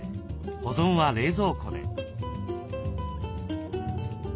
保存は冷蔵庫で。